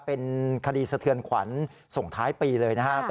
เป็นคดีสะเทือนขวัญส่งท้ายปีเลยนะครับ